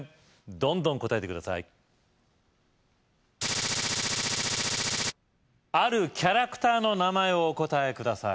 どんどん答えて下さいあるキャラクターの名前をお答えください